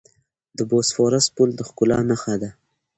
د بوسفورس پل د ښکلا نښه ده.